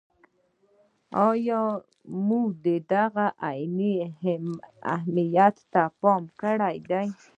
یا مو د هغه عیني اهمیت ته پام کړی دی.